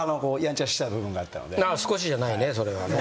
ああ少しじゃないねそれはね。